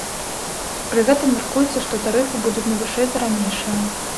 Пры гэтым мяркуецца, што тарыфы будуць не вышэй за ранейшыя.